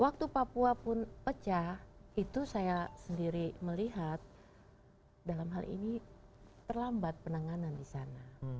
waktu papua pun pecah itu saya sendiri melihat dalam hal ini terlambat penanganan di sana